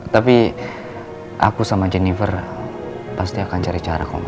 tapi aku sama jennifer pasti akan cari caraku ma